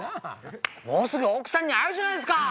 もうすぐ奥さんに会えるじゃないですか！